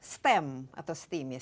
stem atau steam ya